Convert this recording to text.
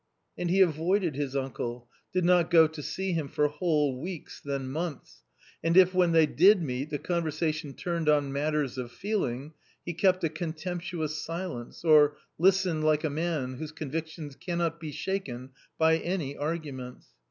And he avoided his uncle, did not go to see him for whole weeks, then months. And if when they did meet, the conversation turned on matters of feeling, he kept a contemptuous silence or listened like a man whose con victions cannot be shaken by any arguments.